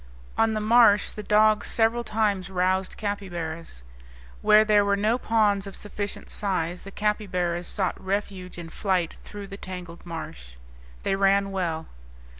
On the marsh the dogs several times roused capybaras. Where there were no ponds of sufficient size the capybaras sought refuge in flight through the tangled marsh. They ran well.